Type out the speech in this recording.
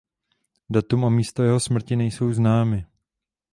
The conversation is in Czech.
Datum a místo jeho smrti nejsou známy.